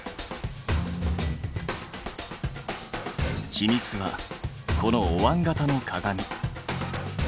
秘密はこのおわん形の鏡。